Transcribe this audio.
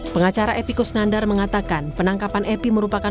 pengacara epi kusnandar mengatakan penangkapan epi merupakan